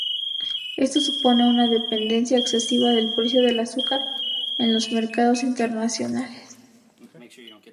Esto supone una dependencia excesiva del precio del azúcar en los mercados internacionales.